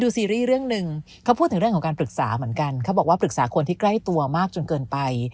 ศึกษาคนที่ใกล้ตัวมากจนเกินไป